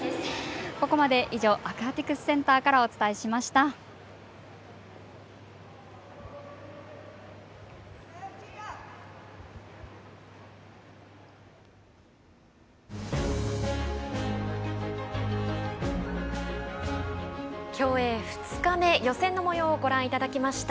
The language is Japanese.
ここまで東京アクアティクスセンターからお伝えしました。